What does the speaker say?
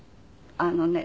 あのね